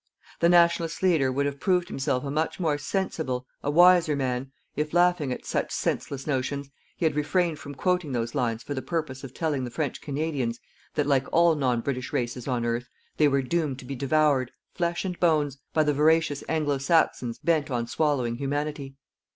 The Nationalist leader would have proved himself a much more sensible, a wiser man, if, laughing at such senseless notions, he had refrained from quoting those lines for the purpose of telling the French Canadians that like all non British races on earth they were doomed to be devoured flesh and bones by the voracious Anglo Saxons bent on swallowing humanity.